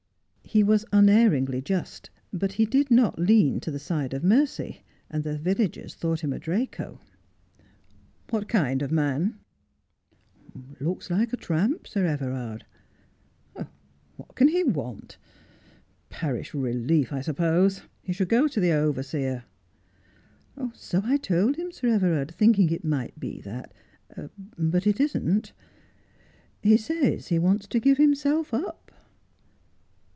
He was unerringly just, but he did not lean to the side of mercy, and the villagers thought him a Draco. ' What kind of a man V 1 Looks like a tramp, Sir Everard !'' What can he want 1 Parish relief, I suppose. He should go to the overseer.' ' So I told him, Sir Everard, thinking it might be that, but it isn't. He says he wants to give himself up.'